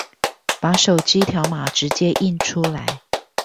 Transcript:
把手機條碼直接印出